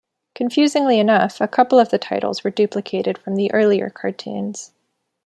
Confusingly enough, a couple of the titles were duplicated from the earlier cartoons.